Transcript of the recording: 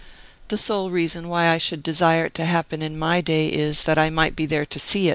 The sole reason why I should desire it to happen in my day is, that I might be there to see!